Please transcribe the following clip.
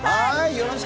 よろしく。